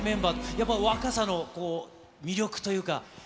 やっぱり、若さの魅力というか。